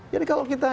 jadi kalau kita